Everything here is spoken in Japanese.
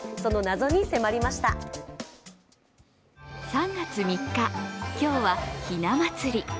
３月３日、今日はひな祭り。